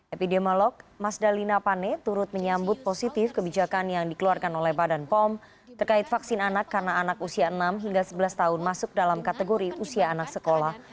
epidemiolog mas dalina pane turut menyambut positif kebijakan yang dikeluarkan oleh badan pom terkait vaksin anak karena anak usia enam hingga sebelas tahun masuk dalam kategori usia anak sekolah